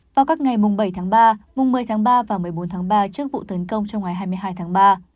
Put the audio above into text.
vào các ngày mùng bảy tháng ba một mươi tháng ba và một mươi bốn tháng ba trước vụ tấn công trong ngày hai mươi hai tháng ba